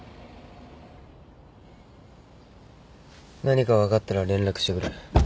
何か分かったら連絡してくれ。